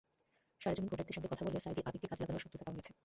সরেজমিন ভোটারদের সঙ্গে কথা বলে সাঈদীর আবেগকে কাজে লাগানোর সত্যতা পাওয়া গেছে।